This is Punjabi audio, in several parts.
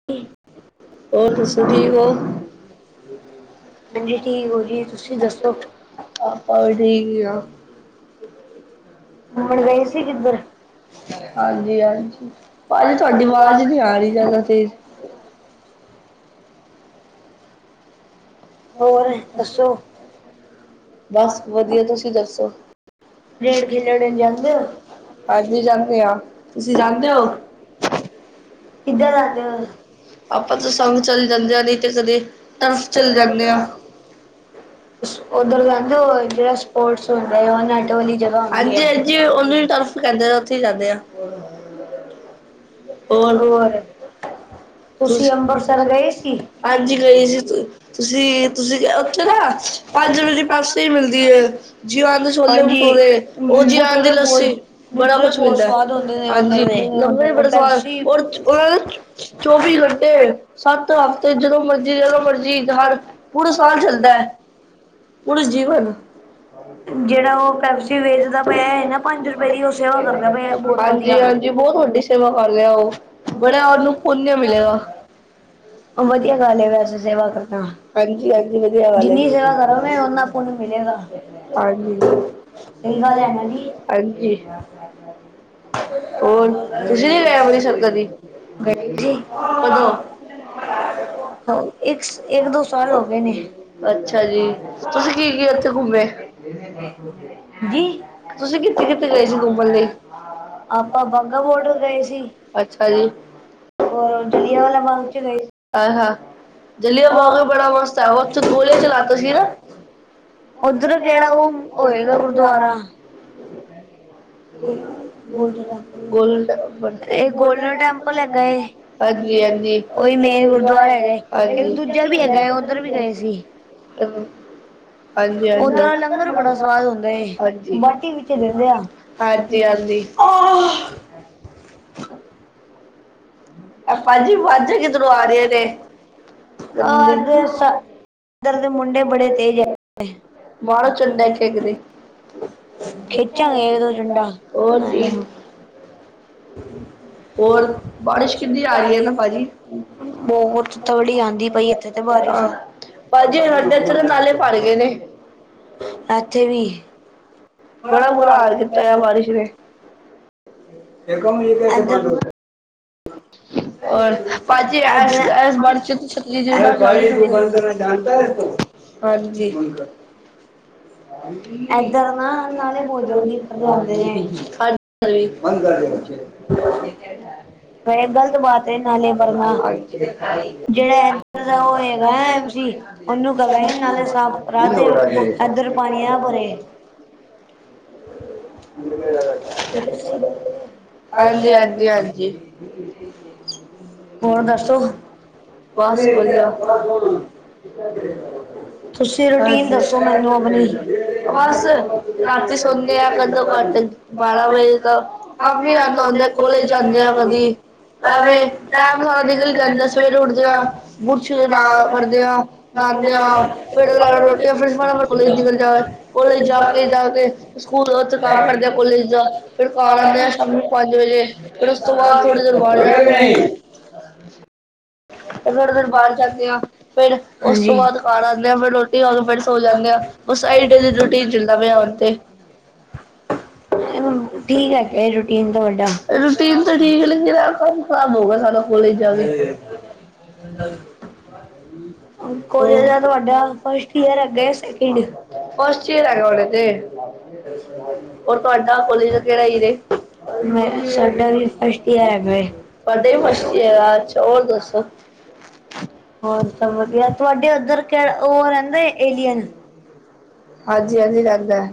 [inaudible] ਔਰ ਦੱਸੋ, ਠੀਕ ਉਹ? ਹਾਂਜੀ, ਠੀਕ ਹੋੋਲੀਏ ਤੁਸੀਂ ਦੱਸੋਂ? ਆਪਾ ਵੀ ਠੀਕ ਹੀ ਆ। ਘੁੰਮਣ ਗਏ ਸੀ, ਕਿੱਧਰ? ਹਾਂਜੀ ਹਾਂਜੀ, ਭਾਜੀ ਤੁਹਾਡੀ ਆਵਾਜ਼ ਨਹੀਂ ਆ ਰਹੀ ਜ਼ਿਆਦਾ ਤੇਜ਼। [inaudible] [inaudible] ਬਸ ਵਧੀਆ ਤੁਸੀਂ ਦੱਸੋ। ਹਾਂਜੀ ਜਾਂਦੇ ਆ ਤੁਸੀਂ ਜਾਂਦੇ ਹੋ। ਕਿੱਧਰ ਆਂਦੇ ਹੋ। ਆਪਾਂ ਤਾਂ ਸੰਘ ਚੱਲ ਜਾਂਦੇ ਆ ਨਹੀਂ ਤੇ ਕਦੇ ਟਸ ਚਲੇ ਜਾਂਦੇ ਹਾਂ। ਹਾਂਜੀ-ਹਾਂਜੀ ਉਹਨੂੰ ਟਫ। ਕਹਿੰਦੇ ਆ ਉੱਥੇ ਜਾਂਦੇ ਆ ਹੋਰ। ਹਾਂਜੀ ਗਈ ਸੀ ਤੁਸੀਂ-ਤੁਸੀਂ ਉੱਥੇ ਦਾ। ਪੰਜ ਰੁਪਏ ਦੀ ਪੈਪਸੀ ਮਿਲਦੀ ਹੈ, ਜੀਆਉਣ ਦੇ ਛੋਲੇ ਭਟੂਰੇ ਉਹ ਜੀਆਉਣ ਦੀ ਲੱਸੀ। ਬੜਾ ਕੁਛ ਮਿਲਦਾ ਹਾਂਜੀ ਵੀ ਬੜਾ ਸਵਾਦ। ਔਰ ਉਹਨਾਂ ਨੇ ਚੌਵੀ ਘੰਟੇ ਸੱਤ ਹਫ਼ਤੇ ਜਦੋਂ ਮਰਜੀ ਜਦੋਂ ਮਰਜੀ ਹਰ। ਪੂਰਾ ਸਾਲ ਚੱਲਦਾ ਐ, ਪੂਰਾ ਜੀਵਨ। ਹਾਂਜੀ -ਹਾਂਜੀ। ਜੀ ਬਹੁਤ ਵੱਡੀ ਸੇਵਾ ਕਰ ਰਿਹਾ ਆ ਉਹ, ਬੜਾ ਉਹਨੂੰ ਪੁਨ ਮਿਲੇਗਾ। ਹਾਂਜੀ ਹਾਂਜੀ, ਵਧੀਆ ਗੱਲ ਐ। ਹਾਂਜੀ। ਹਾਂਜੀ, ਹੋਰ ਤੁਸੀਂ ਨੀ ਗਏ ਅੰਮ੍ਰਿਤਸਰ ਕਦੇ। ਕਦੋਂ। ਅੱਛਾ। ਹਾਂਜੀ ਤੁਸੀ ਉਥੇ ਕੀ-ਕੀ ਘੁੰਮੇ? ਤੁਸੀਂ ਕਿੱਥੇ-ਕਿੱਥੇ ਗਏ ਸੀ ਘੁੰਮਣ ਲਈ। ਅੱਛਾ ਜੀ। ਆਹ ਹਾਂ। ਜਲ੍ਹਿਆਂਵਾਲਾ ਬਾਗ ਵੀ ਬੜਾ ਮਸਤ ਹੈ ਉੱਥੇ ਗੋਲੀਆਂ ਚਲਾਤੀ ਸੀ ਨਾ। [unintelligible] [unintelligible] ਗੋਲਡਨ ਟੈਂਪਲ, ਗੋਲਡਨ ਟੈਂਪਲ ਹੈਗਾ ਹੈ। ਹਾਂਜੀ-ਹਾਂਜੀ ਓਥੇ ਨੇੜੇ ਗੁਰੂਦਵਾਰਾ ਹੈਗਾ ਹਾਂਜੀ ਦੂਜਾ ਵੀ ਹੈਗਾ ਓਥੇ ਵੀ ਗਏ ਸੇਗੇ। ਅ। ਹਾਂਜੀ-ਹਾਂਜੀ, ਓਹਨਾ ਦਾ ਲੰਗਰ ਬੜਾ ਸਵਾਦ ਹੁੰਦਾ ਹੈ ਹਾਂਜੀ ਬਾਕੀ। ਹਾਂਜੀ-ਹਾਂਜੀ। ਏ ਭਾਜੀ ਆਵਾਜ਼ਾਂ ਕਿੱਧਰੋਂ ਆ ਰਹੀਆਂ ਨੇ। [unintelligible] [unintelligible] ਹੋਰ ਜੀ। ਹੋਰ। ਬਾਰਿਸ਼ ਕਿੱਥੇ ਆ ਰਹੀ ਬਹੁਤ ਤੱਕੜੀ ਆਉਂਦੀ ਪਈ ਇੱਥੇ ਤੇ ਬਾਰਿਸ਼। [inaudible] ਇੱਥੇ ਵੀ। ਬੜਾ ਬੁਰਾ ਹਾਲ ਕੀਤਾ ਹੋਆ ਬਾਰਿਸ਼ ਨੇ। [inaudible] [inaudible] [unintelligible] [unintelligible] ਹਾਂਜੀ। [inaudible] [inaudible] ਬੰਦ ਕਰ ਦੇ। ਮੈਂ ਗ਼ਲਤ ਬਾਤ ਏ ਨਾਲੇ ਭਰਨਾ ਜਿਹੜਾ ਇ ਏਧਰ ਦਾ ਉਹ ਹੈਗਾ ਐਮ ਸੀ। ਉਹਨੂੰ ਕਵੇ ਨਾਲੇ ਸਾਫ਼ ਕਰਾ ਤੇ ਇਧਰ ਪਾਣੀ ਨਾ ਭਰੇ। ਹਾਂਜੀ-ਹਾਂਜੀ-ਹਾਂਜੀ। [unintelligible] ਹੋਰ ਦੱਸੋ। ਬਸ ਵਧੀਆ। ਹਾਜੀ ਬਸ ਰਾਤੀ ਸੌਦੇ ਆ ਕਦੋਂ ਘੰਟੇ ਬਾਰਾਂ ਵਜੇ ਦਾ [inaudible] ਆਉਂਦਾ ਕੋਲਜ ਜਾਂਣੇ ਆ ਕਦੀ- ਐਵੇਂ ਟਾਈਮ ਸਾਰਾ ਨਿਕਲ ਜਾਂਦਾ ਸਵੇਰੇ ਉੱਠਦੇ ਆ ਬੁਰਸ਼ ਦੇ ਨਾਲ ਕਰਦੇ ਆਂ ਜਾਂਦੇ ਆ ਫੇਰ ਰੋਟੀਆਂ ਫਿਰ ਫਟਾਫਟ ਕਾਲਜ ਨਿਕਲ ਜਾਵੇ, ਕਾਲਜ ਜਾ ਕੇ ਜਾ ਕੇ ਸਕੂਲ ਦਾ ਉੱਥੇ ਕੰਮ ਕਰਦੇ ਆ ਕੋਲੇਜ ਦਾ, ਫੇਰ ਖਾਣ ਆਦੇ ਆ ਸ਼ਾਮੀ ਪੰਜ ਵਜੇ ਉਸ ਤੋਂ ਬਾਅਦ ਥੋੜੀ ਦੇਰ ਬਾਹਰ ਜਾ ਥੋੜੀ ਦੇਰ ਬਾਹਰ ਜਾਂਦੇ ਆ ਫਿਰ ਉਸ ਤੋਂ ਬਾਅਦ ਖਾਣ ਆਦੇ ਆ ਫਿਰ ਰੋਟੀ ਖਾ ਕੇ ਫਿਰ ਸੋ ਜਾਣੇ ਆ ਬਸ ਆਹੀ ਡੇਲੀ ਦੀ ਰੂਟੀਨ ਚਲਦਾ ਪਿਆ ਹੁਣ ਤੇ ਰੂਟੀਨ ਤਾਂ ਠੀਕ ਐ ਪਰ ਕੰਮ ਹੋ ਗਿਆ ਸਾਨੂੰ ਕੋਲੇਜ ਜਾਕੇ [inaudible] ਕੋਲਜ ਦਾ ਤੁਹਾਡਾ ਫਸਟ ਈਅਰ ਹੈਗਾ ਯਾ ਸਕਿੰਡ ਸਾਡਾ ਵੀ ਫਸਟ ਈਅਰ ਹੈਗਾ ਏ। [unintelligible] ਹੋਰ ਸਬ ਵਧੀਆ। ਹਾਂਜੀ-ਹਾਂਜੀ ਲੱਗਦਾ ਏ।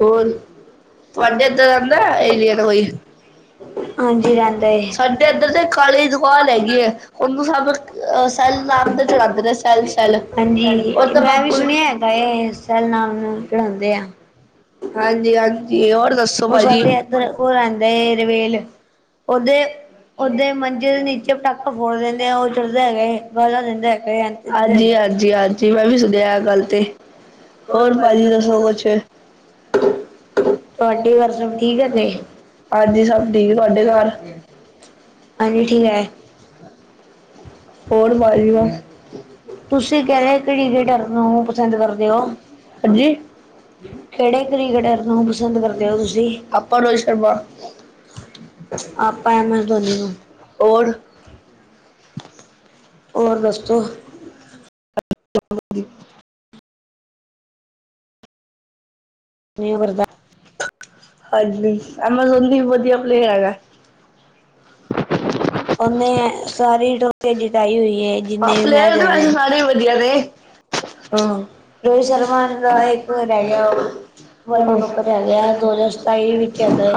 ਹੋਰ ਤੁਹਾਡੇ ਇਦਰ ਆਉਦਾ ਹੈ ਏਰੀਏ ਦਾ ਕੋਈ। ਸਾਡੇ ਇੱਧਰ ਤੇ ਕਾਲੇ ਦੀ ਦੁਕਾਨ ਹੈਗੀ ਏ, ਉਹਨੂੰ ਸਭ ਹਾਂ ਮੈਂ ਵੀ ਸੁਣਿਆ ਹੈਗਾ ਇਸ ਸਾਲ ਨਾਮ-ਨੂਮ ਚੜ੍ਹਾਉਂਦੇ ਆ ਹਾਂਜੀ ਹਾਂ ਸਾਡੇ [inaudible] ਉਹ ਰਹਿੰਦਾ ਏ ਰਵੇਲ ਓਦੇ-ਓਦੇ ਮੰਜੇ ਦੇ ਨੀਚੇ ਪਟਾਕੇ ਹਾਂਜੀ-ਹਾਂਜੀ ਹਾਜੀ ਹਾਂਜੀ ਮੈਂ ਵੀ ਸੁਨਿਆ ਐ ਗੱਲ ਤੇ ਹੋਰ ਭਾਜੀ ਦੱਸੋ ਕੁਛ ਅੱਜ ਹੀ ਸਭ ਠੀਕ ਤੁਹਾਡੇ ਘਰ [inaudible] ਹੋਰ ਭਾਜੀ ਬਸ ਹਾਂਜੀ ਆਪਾਂ ਰੋਹਿਤ ਸ਼ਰਮਾ ਆਪਾਂ ਐਮ ਐਸ ਧੋਨੀ ਨੂੰ ਹੋਰ- ਹੋਰ ਦਸੋ [inaudible] [inaudible] ਹਾਂਜੀ, ਐਮਾਜ਼ੋਨ ਦੀ ਵਧੀਆ ਪਲੇਅ ਹੈਗਾ ਉਹਨੇ ਸਾਰੀ ਟਰੋਫੀ ਜਤਾਈ ਹੋਈ ਐ ਹਾਂ, ਪਲੇਅਰ ਤਾਂ ਵੈਸੇ ਸਾਰੇ ਹੀ ਵਧੀਆ ਨੇ ਹਾਂ ਰੋਹਿਤ ਸ਼ਰਮਾ ਦਾ ਇੱਕ ਰਹਿ ਗਿਆ ਵਰਲਡ ਕੱਪ ਰਹਿ ਗਿਆ ਦੋ ਹਜ਼ਾਰ ਸਤਾਈ ਵਿੱਚ ਕਹਿੰਦਾ ਐ।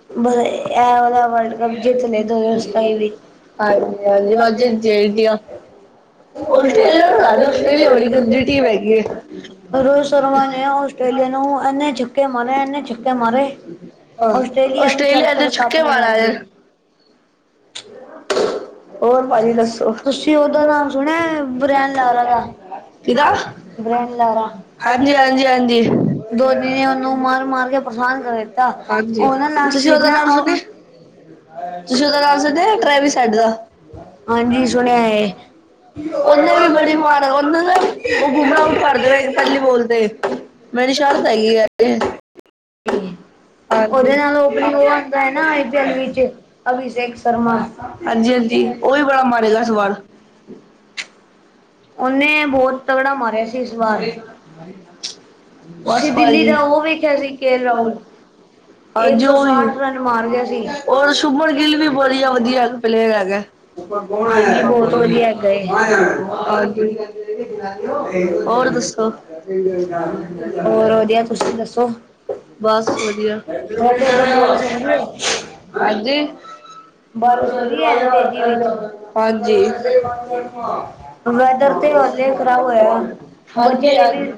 ਹਾਂਜੀ-ਹਾਂਜੀ [inaudible] [inaudible] ਰੋਹਿਤ ਸ਼ਰਮਾ ਨੇ ਆਸਟ੍ਰੇਲੀਆ ਨੂੰ ਇਹਨੇ ਛਿੱੱਕ ਮਾਰੇ ਇੰਨੇ ਛੱਕੇ ਮਾਰੇ ਆਸਟ੍ਰੇਲੀਆ [inaudible] [inaudible] ਹੋਰ ਭਾਜੀ ਦੱਸੋ ਕਿਦਾ ਹਾਂਜੀ-ਹਾਂਜੀ-ਹਾਂਜੀ ਹਾਂਜੀ ਤੁਸੀਂ ਉਹਦਾ ਨਾਮ ਸੁਣਿਆ ਹਾਂਜੀ, ਸੁਣਿਆ ਏ। ਉਹਨੇ ਵੀ ਬੜੀ ਮਾਰ ਉਹਨਾਂ ਦਾ ਉਹ ਭੁਮਰਾ [unintelligible] ਪਹਿਲੀ ਬੋਲ ਤੇ। ਮੇਰੀ ਸ਼ਰਟ ਹੈਗੀ ਆ ਇੱਥੇ ਹਾਂਜੀ। ਹਾਂਜੀ-ਹਾਂਜੀ, ਉਹ ਵੀ ਬੜਾ ਮਾਰੇਗਾ [unintelligible] [inaudible] ਬਸ [unintelligible] ਹਾਂਜੀ, ਉਹੀ ਔਰ ਸੁਬਮਣ ਗਿੱਲ ਵੀ ਵਧੀਆ ਪਲੇਅਰ ਹੈਗਾ। [unintelligible] ਔਰ ਦੱਸੋ? ਬਸ ਵਧੀਆ ਹਾਂਜੀ। ਹਾਂਜੀ, ਹਾਂਜੀ-ਹਾਂਜੀ,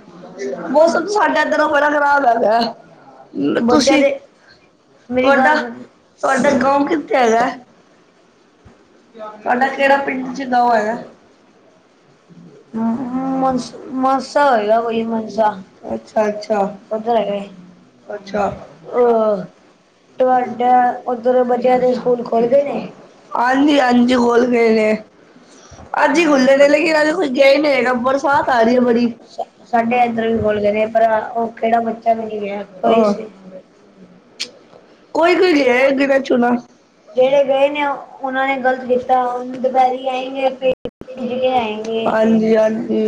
ਮੌਸਮ ਸਾਡਾ ਇਦਰੋਂ ਕਿਹੜਾ [unintelligible] ਤੁਸੀਂ ਤੁਹਾਡਾ ਤੁਹਾਡਾ ਗਾਓ ਕਿੱਥੇ ਹੈਗਾ। ਤੁਹਾਡਾ ਕਿਹੜਾ ਪਿੰਡ ਚ ਗਾਓ ਹੈਗਾ ਹਾਂ, ਸ ਮਾਸਾ ਹੋਏਗਾ ਕੋਈ ਮਸਾ ਉੱਧਰ ਹੈਗਾ ਏ ਅੱਛਾ [unintelligible] ਹਾਂਜੀ-ਹਾਂਜੀ, ਖੁਲ੍ਹ ਗਏ ਨੇ ਅੱਜੀ ਹੀ ਖੁੱਲੇ ਸਾਡੇ ਇੱਧਰ ਵੀ ਖੁੱਲ ਗਏ ਨੇ ਪਰ ਕਿਹੜਾ ਬੱਚਾ ਵੀ ਨੀ ਗਿਆ। ਆਹ ਕੋਈ ਕੋਈ ਗਿਆ ਗਿਣਾ ਚੁਣਾ, [unintelligible] ਹਾਂਜੀ-ਹਾਂਜੀ,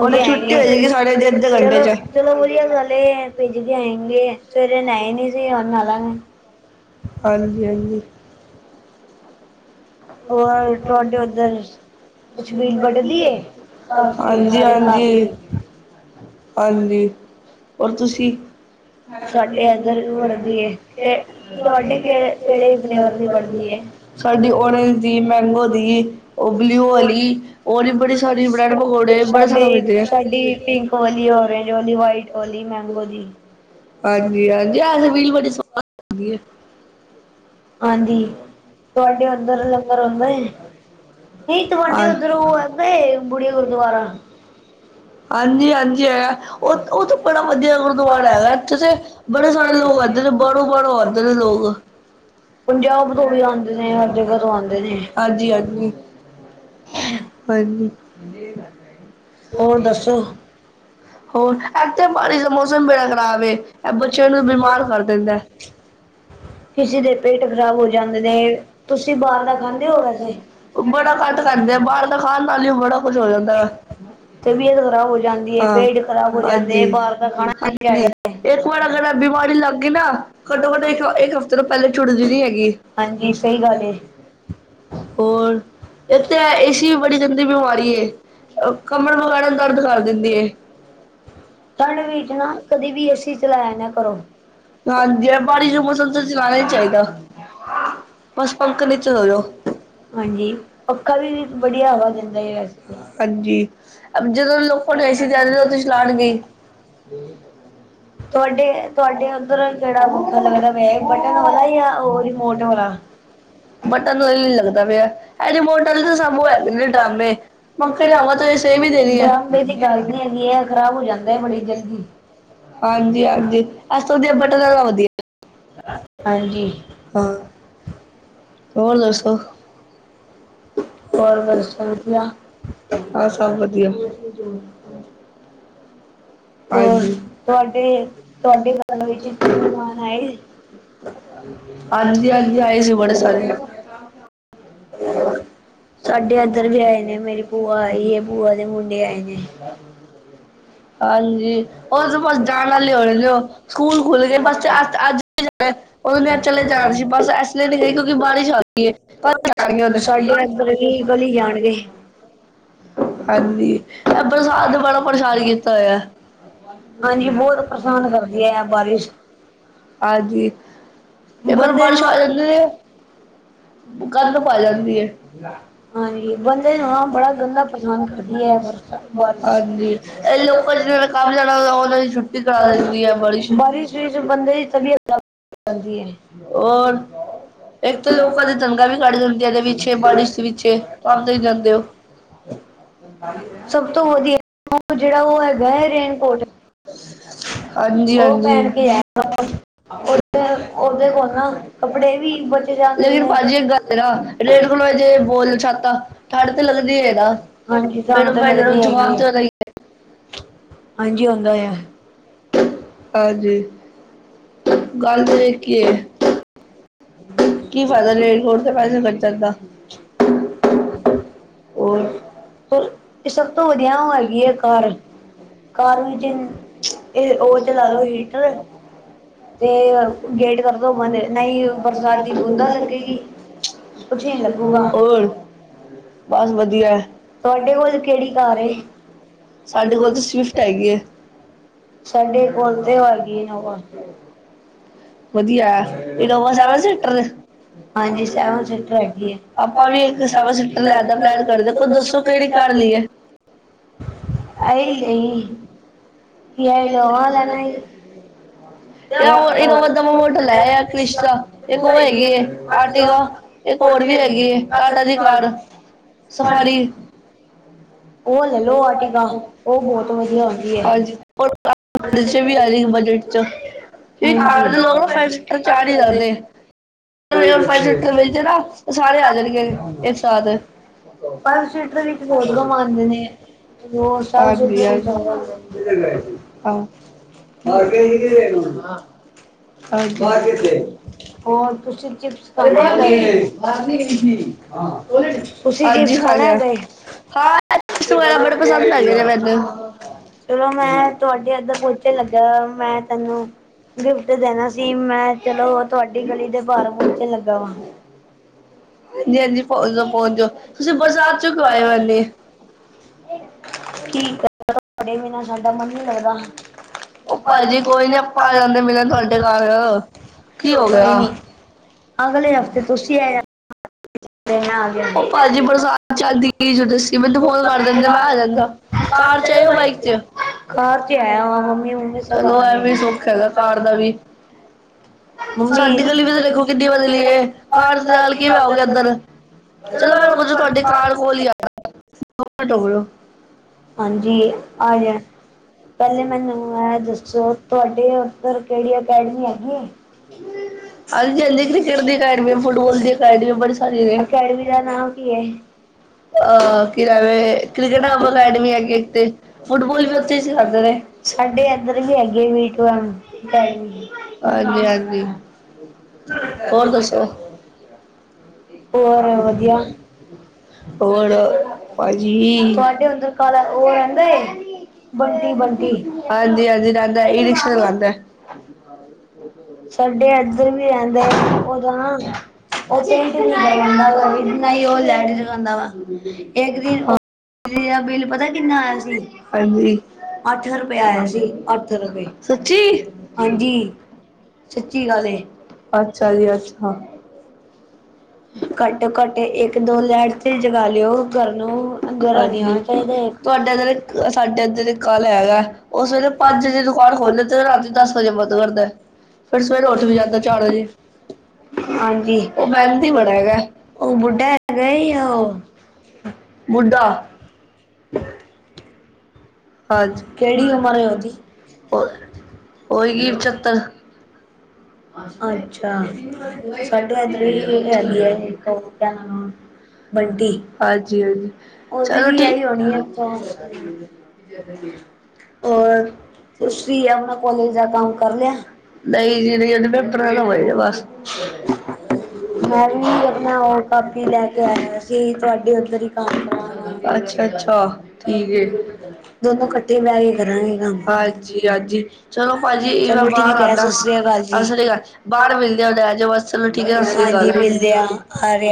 ਹੁਣ ਛੁੱਟੀ ਹੋਜੇਗੀ ਸਾਰੀ ਜੀ ਅੱਧੇ ਘੰਟੇ ਚ ਚਲੋ ਬਈਆ ਨਾਲੇ ਭਿੱਜ ਕੇ ਆਏਗੇ ਸਵੇਰੇ ਨਹਾਏ ਨੀ ਸੀ ਹੁਣ ਨਾਲਾਂਗੇ। ਹਾਂਜੀ-ਹਾਂਜੀ, ਹੋਰ ਤੁਹਾਡੇ ਉੱਧਰ ਹਾਂਜੀ-ਹਾਂਜੀ, ਹਾਂਜੀ, ਔਰ ਤੁਸੀਂ [unintelligible] ਸਾਡੀ ਓਰੇਂਜ ਦੀ ਮੈਂਗੋ ਦੀ ਉਹ ਬਲਿਊ ਵਾਲੀ ਓ ਬੜੀ ਸਾਰੀ ਬ੍ਰੈਡ ਪਕੌੜੇ ਬੜੇ ਸਾਰੇ ਮਿਲਦੇ ਆ। ਪਿੰਕ ਵਾਲੀ। ਓਰਂਜ ਓਲੀ ਵਾਈਟ ਵਾਲੀ ਮੈਂਗੋ ਦੀ। [unintelligible] ਹਾਂਜੀ ਤੁਹਾਡੇ ਅੰਦਰ, ਹਦਾ ਨਹੀਂ ਤੁਹਾਡੇ ਉੱਧਰੋਂ ਆਹਿੰਦਾ ਬੁੜੀ ਗੁਰਦੁਆਰਾ ਹਾਂਜੀ ਹਾਂਜੀ ਬੜੇ ਸਾਰੇ ਲੋਕ ਆਂਦੇ, ਗਰਾਊਂਡ ਫਲੂਰਤੋ ਆਂਦੇ ਨਿ ਕੋਈ ਪੰਜਾਬ ਤੋਂ ਵੀ ਆਉਂਦੇ ਨੇ ਹਰ ਜਗ੍ਹਾ ਤੋਂ ਆ ਹਾਂਜੀ-ਹਾਂਜੀ, ਹਾਂਜੀ ਹੋਰ ਦੱਸੋ? ਹੋਰ ਐ ਤਾਂ ਬਾਰਿਸ਼ ਦਾ ਮੌਸਮ ਬੇੜਾ ਖਰਾਬ ਐ ਬੱਚਿਆਂ ਨੂੰ ਬਿਮਾਰ ਕਰ ਦਿੰਦਾ। [unintelligible] ਬੜਾ ਘੱਟ ਖਾਂਦੇ ਆ ਬਾਹਰ ਦਾ ਖਾਣ ਨਾਲ ਹੀ ਬੜਾ ਕੁੱਝ ਹੋ ਜਾਂਦਾ। ਹਾਂ, ਹਾਂਜੀ ਹਾਂਜੀ, ਇੱਕ ਵਾਰ ਅਗਰ ਬਿਮਾਰੀ ਲੱਗ ਗਈ ਨਾ ਘੱਟੋ ਘੱਟ ਇੱਕ ਹਫ਼ਤੇ ਤੋਂ ਪਹਿਲੇ ਛੁਟਦੀ ਨੀ ਹੈਗੀ। ਹਾਂਜੀ, ਸਹੀ ਗੱਲ ਐ। [unintelligible] ਏਸੀ [unintelligible] ਕੱਪੜ ਪਕਣਾ ਤਰ ਕਰ ਦਿੱਤੀ ਹੈ ਠੰਡ ਵਿੱਚ ਨਾ ਕਦੇ ਵੀ ਅਸੀਂ ਚਲਾਇਆ ਨਾ ਕਰੋ [unintelligible] ਹਾਂਜੀ ਪੱਖਾ ਵੀ ਵਧੀਆ ਹਵਾ ਦਿੰਦਾ ਵੈਸੇ ਤਾਂ ਹਾਂਜੀ ਜਦੋਂ ਲੋਕਾਂ ਨੂੰ ਐਸੀੇ ਤਿਆੋਂ ਤੁਸੀਂਲਾਉਣਗੇ, ਬਟਨ ਤੋਂ ਇਹੀ ਲੱਗਦਾ ਪਿਆ ਐਨੀਮੋਰਟ ਤਾਂ ਸਭ ਉਹ ਹੈਗੇ ਨੇ ਡਰਾਮੇ ਮੰੱਖੜਿਆਵਾਂ ਤੁ ਇਹ ਸੇ ਵੀ ਦੇਣੀ ਆ। ਹਾਂਜੀ ਹਾਂਜੀ ਅਸਾ ਤੇ ਬਟਨ ਦਾ ਵਧੀਆ। ਹਾਂਜੀ। ਹਾਂ। ਹੋਰ ਦੱਸੋ? ਹਹ ਸਭ ਵਧੀਆ। ਹਾਂਜੀ। ਹਜੀ ਹਜੀ ਆਏ ਸੀ ਬੜੇ ਸਾਰੇ। । [unintelligible] ਹਾਂਜੀ ਉਹ ਬਸ ਜਾਣ ਲਉਉਣ ਲਓ ਸਕੂਲ ਖੁੱਲ ਗਏ ਬਸ ਅ ਅੱਜ ਉਹ ਮ ਚਲੇ ਜਾਣਾ ਸੀ ਬਸ ਐਸ ਲਈ ਨ ਗ ਕਿਉਂਕਿ ਬਾਰਿਸ਼ ਆ ਗਹੀ ਹੈ। ਹਾਂਜੀ। ਇਹ ਬਰਸਾਤ ਬੜਾ ਪਰੇਸ਼ਾਨ ਕੀਤਾ ਹੋਆ। ਹਾਂਜੀ। ਜੇਕਰ ਬਾਰਿਸ਼ ਆ ਜਾਂਦੀ ਗੰਦ ਪ ਜਾਂਦੀ ਹੈ। ਹਾਂਜੀ ਇਹ ਲੋਕਾਂ ਜਿਹਨਾਂ ਨੇ ਕੰਮ ਜਾਣਾ ਹੁੰਦਾ ਉਹਨਾਂ ਦੀ ਛੁੱਟੀ ਕਰਾ ਦਿੰਦੀ ਆ ਬਾਰਿਸ਼ ਹੋਰ ਇੱਕ ਤਾਂ ਲੋਕਾਂ ਦੀ ਤਨਗਾ ਵੀ ਕੱਟ ਜਾਂਦੀ ਏਥੇ ਪਿੱਛੇ ਬਾਰਿਸ਼ ਪਛੇ ਆਪ ਵੀ ਜਾਂਦੇ ਹੋ। ਸਭ ਤੋਂ ਵਧੀਆ ਜਿਹੜਾ ਉਹ ਹੈ ਗ ਰੇਨਕੋਟ ਉਹ ਪੈਨ ਕੇ ਆ ਉਹਦੇ ਉਹਦੇ ਕੋਲ ਨਾ ਕੱਪੜੇ ਵੀ ਬਚੇ ਜਾਂਦੇ ਨੇ। ੇ ਬਰ ਤੇ ਲੱਗਦੀ ਹੈਗਾ ਹਾਂਜੀ। ਜਾ ਤਾਂ ਲੱਗਦੀ ਹੈਗੀ ਆ। ਹਾਂਜੀ। ਗੱਲ ਤੇ ਵੇਖੀਏ। ਕੀ ਫਾਇਦਰਲ ਰੇਨਕੋਟ ਦੇ ਪੈਸੇ ਖਰਚਣਦਾ। ਹੋਰ, ਸਭ ਤੋਂ ਵਧੀਆ ਵਾਲੀ ਹੈ। ਘਰ ਵਿੱਚ ਜ ਇਹ ਉਹ ਚਲਾ ਲੋ ਹੀਟਰ ਤੇ ਗੇਟ ਭ ਰਣਾ ਹੀਸਦ ਗੁੰਧ ਲੱਗੇਗੀ। ਹੋਰ। ਬਸ ਵਧੀਆ, ਤੁਹਾਡੇ ਕੋਲ ਕਿਹੜੀ ਕਾਰ ਏ? ਸਾਡੇ ਕੋਲ ਤਾਂ ਸਵਿਫਟ ਹੈਗੀ ਹੈ। ਸਾਡੇ ਕੋਲ ਤੇ ਹੋਗੀ ਇਨਨੋਵਾ। [unintelligible] ਹਾਂਜੀ ਸੈਵਨ ਸੀਟਰ ਹੈਗੇ। ਆਈ ਨਹੀਂ [unintelligible] [inaudible] ਇਹ ਇਹ ਨਵਾਂ ਨਵਾਂ ਮੋਟਲ ਹੈ ਆ ਕ੍ਰਿਸ਼ਟਤਾ ਇੱਕ ਉਹ ਹੈਗੀ ਆਰਟੀਗਾ। ਇੱਕ ਕੋਰ ਵੀ ਹੈਗੀ ਟਾਟਾ ਦੀ ਕਾਰ ਸਫਾਰੀ। ਲੈਲੋ ਆਰਟੀਗਾ। ਉਹ ਬਹੁਤ ਵਧੀਆ ਆਉਦੀ ਹੈ। [unintelligible] ਕੱਡ ਲਓ ਉਹਦੇ ਵਿੱਚ ਸ ਆ ਜਾਂਦੇ ਪਰ ਸ਼ੀਟਰ ਵਿੱਚ ਬਹੁਤ ਕਮਾਉਂਦੇ ਨੇ ਆ ਆਹ [inaudible] ਅੱਜ ਹੀ ਖਾ ਗਿਆ ਹਾਂ, ਵਗੈਰਾ ਬੜੇ ਪਸੰਦ ਆ ਗਏ ਨੇ ਮੈਨੂੰ ਚਲੋ ਮੈਂ ਤੁਹਾਡੇ ਅੰਦਰ ਪਹੁੰਚਣ ਲੱਗਾ ਮੈਂ ਤੈਨੂੰ ਗਿਫਟ ਦੇਣਾ ਸੀ ਮੈਂ ਚਲੋ ਤੁਹਾਡੀ ਗਲੀ ਦੇ ਬਾਹਰ ਪੋਚਣ ਲੱਗਾ ਵਾ ਤੁੰ ਬਸਾ ਚ ਪਾਏ ਠੀਕ ਹੈੇ ਬਨਾਂ ਸਾਡਾ ਮਨ ਨਹੀ ਲੱਗਦਾ ਉਹ ਭਾਜੀ ਕੋਈ ਨੀ ਆਪਾਂ ਆ ਜਾਂਦੇ ਮਿਲਣ ਤੁਹਾਡੇ ਘਰ, ਕੀ ਹੋ ਗਿਆ ਅਗਲੇ ਹਫ਼ਤੇ ਤੁਸੀਂ ਆ [inaudible] ਉਹ ਭਾਜੀ ਬਰਸਾਤ ਚਾਂਦੀ ਜੋ ਦੱਸੀ ਮੈਨੂੰ ਫੋਨ ਕਰ ਦਿੰਦੇ ਮੈਂ ਆ ਜਾਂਦਾ। ਕਾਰ ਚ ਆਇਓ ਬਾਈਕ ਚ। ਚਲੋ ਐ ਵੀ ਸੁੱਖ ਹੈਗਾ ਕਾਰ ਦਾ ਵੀ। ਸਾਡੀ ਗਲੀ ਵਿੱਚ ਤੇ ਦੇਖੋ ਕਿੰਨੀ ਬਦਲੀ ਕਾਰ ਸਲ ਕਿਵੇ ਆਉਗੇ ਇੱਧਰ। ਚਲੋ ਮੈਂ ਰ ਤੁਹਾਡ ਕਾਰ ਕੋਲ ਹੀ ਆ। ਹਾਂਜੀ ਆ ਜਾ। ਪਹਿਲੇ ਮੈਨੂੰ ਇਹ ਦੱਸੋ ਤੁਹਾਡੇ ਉੱਧਰ ਕਿਹੜੀ ਅਕੈਡਮੀ ਹੈਗੀ ਹੈ। ਹਮ ਹਾਂਜੀ- ਹਾਂਜੀ ਕ੍ਰਿਕਟ ਦੀ ਅਕੈਡਮੀ, ਫੁੱਟਬਾਲ ਦੀ ਅਕੈਡਮੀ ਬੜੀ ਸਾਰੀ ਨੇ। ਅਹ ਕਿਵੇ ਕ੍ਰਿਕਣਾ ਅਕੈਡਮੀ ਇਕ ਤੇ ਫੁੱਟਬਾਲ ਵੀ ਉੱਥੇ ਕਰਦੇ ਨੇ। ਹਾਂਜੀ- ਹਾਂਜੀ। ਹੋਰ ਦੱਸੋ ਹੋਰ ਵਧੀਆ ਹੋਰ ਭਾਜੀ ਹਾਂਜੀ -ਹਾਂਜੀ ਰਾਂਦਾ ਈ ਰਿਕਸ਼ਾ ਲ [inaudible] [inaudible] ਮੇਰਾ ਬਿਲ ਪਤਾ ਕਿੰਨਾ ਆਇਆ ਸੀ ਅੱਠ ਰੁਪਏ ਆਇਆ ਸੀ ਅੱ ਸਚੀ ਹ ਅੱਛਾ ਜੀ ਅੱਛਾ। ਘੱਟੋ ਘੱਟ ਇੱਕ ਦੋ ਲਾਈਟ ਤੇ ਜਗਾ ਲਿਓ ਘਰ ਨੂੰ ਅੰਗਰ ਚਾਹੀਦਾ ਦ ਤਦੇ ਫਿਰ ਸਵੇ ਰੋਜ਼ ਲ [unintelligible] ਹਾਂਜੀ ਉਹ ਬੁੱਢਾ ਹੈਗਾ ਆ ਉਹ ਬੁੱਢਾ। [inaudible] ਹਾਂਜੀ, ਉਹੀ ਗਈ ਪਚੱਤਰ ਅੱਛਾ, ਸਾਡੇ ਇਧਰ ਹੀ ਹੈਗੀ ਆ ਬਣਟੀ ਹਾਂਜੀ- ਹਾਂਜੀ ਚਲੋ ਠੀਕ। ਹੋਰ ਆਪਣਾਲੀਏ ਦਾ ਕੰਮ ਕਰਦੇ ਨਹੀਂ ਜੀ [unintelligible] ਹੋ ਬਸ ਮੈਂ ਵੀ ਆਪਣਾ ਉਹ ਕਾਪੀ ਲੈ ਕੇ ਆਇਆ ਸੀ ਤੁਹਾਡੇ ਉੱਧਰ ਹੀ ਕੰਮ ਅੱਛਾ ਅੱਛਾ ਠੀਕ ਹੈ ਅ ਹਾਂਜੀ ਹਾਂਜੀ ਚਲੋ ਭਾਜੀ ਇਹ ਮੈਂ ਬਾਹਰ ਆਦਾ ਸਤਿ ਸ੍ਰੀ ਅਕਾਲ ਬਾਹਰ ਮਿਲਦੇ ਹੋ ਡੈ ਜਾਓ ਬਸ ਚਲੋ ਠੀਕ ਹੈ ਸਤਿ ਸ੍ਰੀ ਅਕਾਲ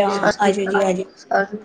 ਸਤਿ ਸ੍ਰੀ ਅਕਾਲ ਸਾਧੂ